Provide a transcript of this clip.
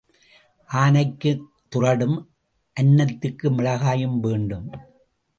ஆனைக்குத் துறடும் அன்னத்துக்கு மிளகாயும் வேண்டும்.